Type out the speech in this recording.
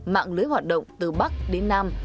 mạng lưới hoạt động từ bắc đến nam